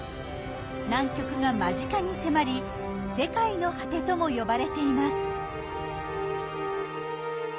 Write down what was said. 南極が間近に迫り「世界の果て」とも呼ばれています。